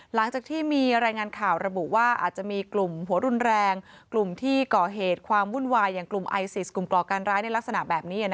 หลังจากที่มีรายงานข่าวระบุว่าอาจจะมีกลุ่มหัวรุนแรงกลุ่มที่ก่อเหตุความวุ่นวายอย่างกลุ่มไอซิสกลุ่มก่อการร้ายในลักษณะแบบนี้